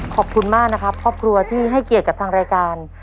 ขอบคุณมากนะครับครอบครัวที่ให้เกียรติกับทางรายการ